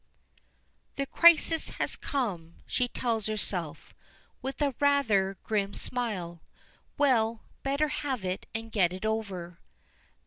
The crisis has come, she tells herself, with a rather grim smile. Well, better have it and get it over.